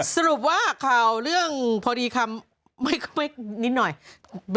สรุปว่าข่าวเรื่องพ่อดีคำ